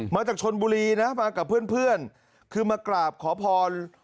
มาจากชนบุรีนะมากับเพื่อนคือมากราบขอพร